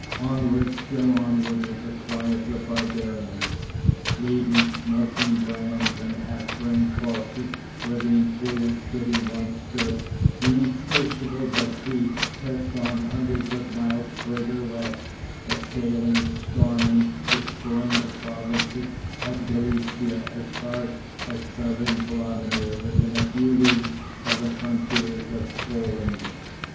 Onward, still onward, was the cry of the barbarians. Leaving smoking brands and half burnt corpses where the imperial city once stood, the insatiable Bati pressed on hundreds of miles further west, assailing, storming, destroying the provinces of Gallicia as far as southern Vladimir within a few leagues of the frontiers of Poland.